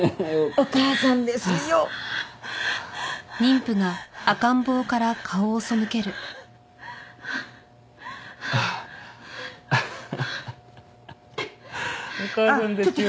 お母さんでちゅよ。